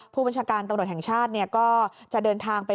ผู้บัญชาการตำรวจแห่งชาติก็จะเดินทางไป